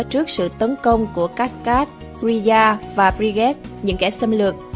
trước sự tấn công của khat kat riyah và brigade những kẻ xâm lược